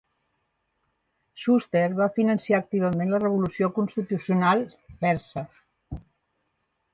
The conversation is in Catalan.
Shuster va finançar activament la revolució constitucional persa.